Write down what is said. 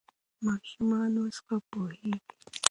ماشومان اوس ښه پوهېږي.